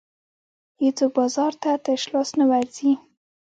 هېڅوک بازار ته تش لاس نه ورځي.